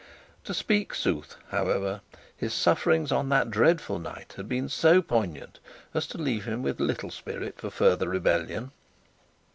To speak sooth, however, his sufferings on that dreadful night had been as poignant, as to leave him little spirit for further rebellion.